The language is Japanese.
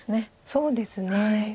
そうですね。